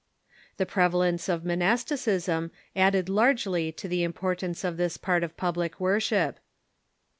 The prevalence of monasticism added largely to the impor tance of this part of public worship.